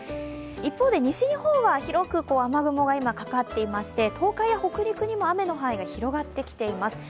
一方で西日本は広く雨雲がかかっていまして、東海や北陸にも雨の範囲が広がってきています。